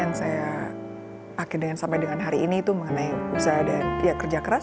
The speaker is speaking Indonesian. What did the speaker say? yang saya pakai sampai dengan hari ini itu mengenai usaha dan ya kerja keras